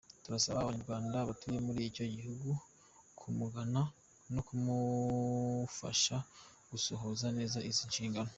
Turasaba Abanyarwanda batuye muri icyo gihugu kumugana no kumufasha gusohoza neza izi nshingano.